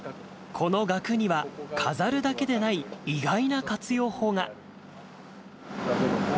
この額には、飾るだけでない意外な活用法が。